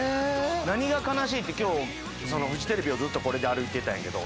何が悲しいってフジテレビをずっとこれで歩いてたんやけど。